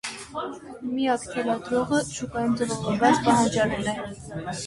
Միակ թելադրողը շուկայում ձևավորված պահանջարկն է։